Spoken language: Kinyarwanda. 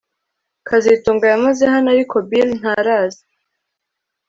kazitunga yamaze hano ariko Bill ntaraza